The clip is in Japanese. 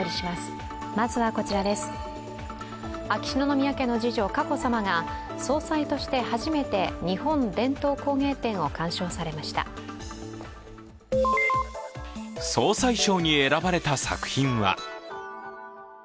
秋篠宮家の次女・佳子さまが総裁として初めて日本伝統工芸展を鑑賞されました。